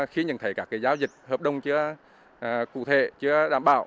khi nhận thấy các giao dịch hợp đồng chưa cụ thể chưa đảm bảo